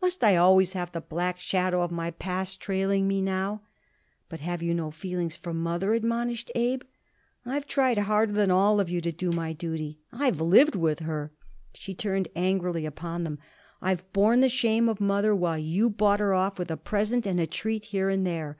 Must I always have the black shadow of my past trailing after me?" "But have you no feelings for mother?" admonished Abe. "I've tried harder than all of you to do my duty. I've lived with her." She turned angrily upon them. "I've borne the shame of mother while you bought her off with a present and a treat here and there.